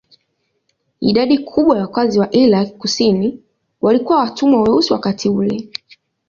Idadi kubwa ya wakazi wa Irak kusini walikuwa watumwa weusi wakati ule.